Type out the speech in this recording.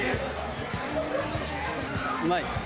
「うまい？」